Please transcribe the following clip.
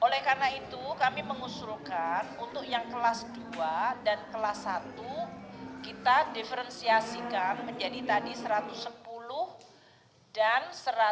oleh karena itu kami mengusulkan untuk yang kelas dua dan kelas satu kita diferensiasikan menjadi tadi satu ratus sepuluh dan satu ratus enam puluh